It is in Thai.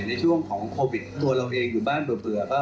ในช่วงของโควิดตัวเราเองอยู่บ้านเบื่อก็